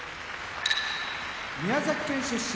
宮崎県出身